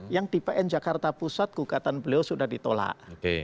yang di pn jakarta pusat gugatan beliau sudah ditolak